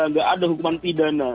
nggak ada hukuman pidana